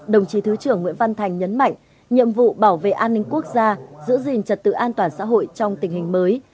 đồng chí thứ trưởng nguyễn văn thành nhấn mạnh nhiệm vụ bảo vệ an ninh quốc gia giữ gìn trật tự an toàn xã hội trong tình hình mới